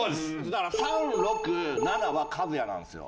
だから３６７は和也なんですよ。